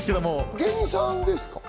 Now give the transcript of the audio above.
芸人さんですか？